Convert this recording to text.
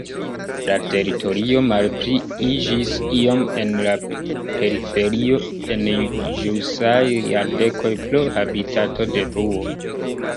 La teritorio malpliiĝis iom en la periferio en ĵusaj jardekoj pro habitatodetruo.